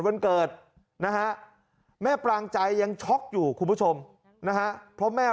วันเกิดนะฮะแม่ปรางใจยังช็อกอยู่คุณผู้ชมนะฮะเพราะแม่